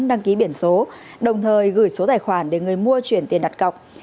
đăng ký biển số đồng thời gửi số tài khoản để người mua chuyển tiền đặt cọc